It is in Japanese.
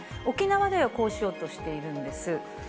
沖縄ではこうしようとしているんです。